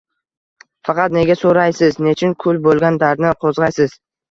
Faqat nega so'raysiz? Nechun kul bo'lgan dardni qo'zg'aysiz?